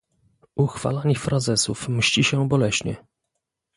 Uchwalanie frazesów mści się boleśnie